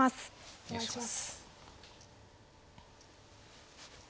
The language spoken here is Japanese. お願いします。